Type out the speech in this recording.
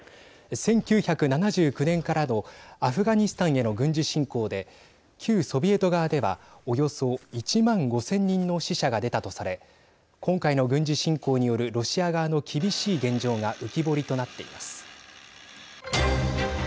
１９７９年からのアフガニスタンへの軍事侵攻で旧ソビエト側では、およそ１万５０００人の死者が出たとされ今回の軍事侵攻によるロシア側の厳しい現状が浮き彫りとなっています。